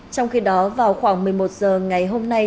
trong khi đó vào khoảng một mươi một h ngày hôm nay